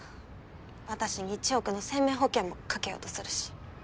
私に１億の生命保険もかけようとするし。